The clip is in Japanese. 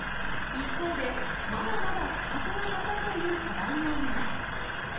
一方で、まだまだ価格が高いという課題もあります。